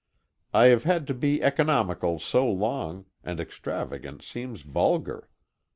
I have had to be economical so long, and extravagance seems vulgar.